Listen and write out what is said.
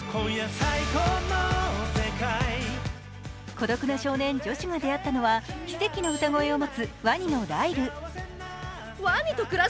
孤独な少年・ジョシュが出会ったのは、奇跡の歌声を持つワニのライル。